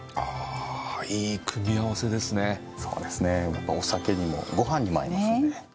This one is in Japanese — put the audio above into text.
やっぱお酒にもごはんにも合いますので。